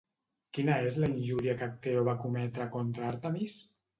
Quina és la injúria que Acteó va cometre contra Àrtemis?